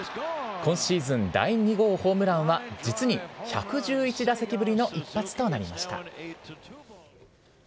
今シーズン第２号ホームランは、実に１１１打席ぶりの一発となりました。